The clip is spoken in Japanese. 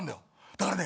だからね